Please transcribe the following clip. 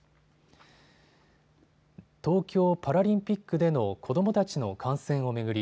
東京パラリンピックでの子どもたちの観戦を巡り